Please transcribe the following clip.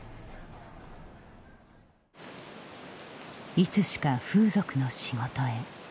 いつしか風俗の仕事へ。